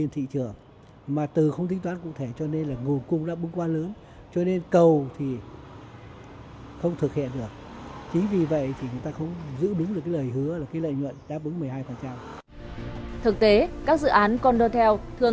thì chúng ta cần quan tâm đến một số yếu tố